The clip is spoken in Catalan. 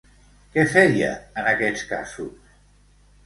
Què feia en aquests casos?